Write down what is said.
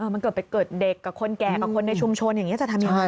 มันเกิดไปเกิดเด็กกับคนแก่กับคนในชุมชนอย่างนี้จะทำยังไง